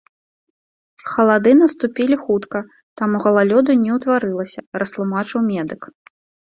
Халады наступілі хутка, таму галалёду не ўтварылася, растлумачыў медык.